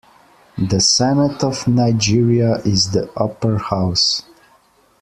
The Senate of Nigeria is the upper house.